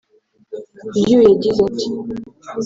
Lew yagize ati